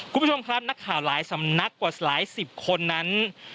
คุณผู้ชมครับนักข่าวหลายสำนักกว่าหลายสิบคนนั้น